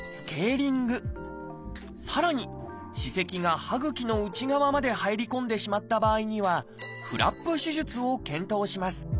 さらに歯石が歯ぐきの内側まで入り込んでしまった場合には「フラップ手術」を検討します。